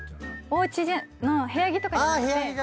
おうちの部屋着とかじゃなくて。